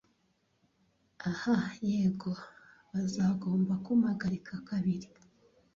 Ah yego, bazagomba kumpagarika kabiri.